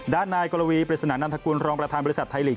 ด้านนายกรวีปริศนานันทกุลรองประธานบริษัทไทยลีก